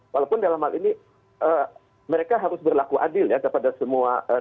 walaupun dalam hal ini mereka harus berlaku adil ya kepada semua